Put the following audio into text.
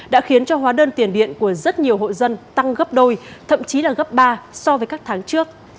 đã khiến cho hóa đơn tiền điện của rất nhiều hội dân tăng gấp đôi thậm chí là gấp ba so với các tháng trước